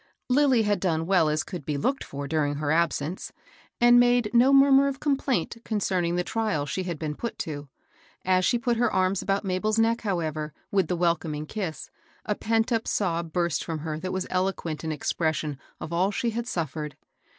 Lilly had done well as could be looked for dur ing her absence, and made no murmur of com plaint concerning the trial she had been put to. As she put her arms about Mabel's neck, however, with the welcoming kiss, a pent up sob burst from her that was eloquent in expression of all she had suffered.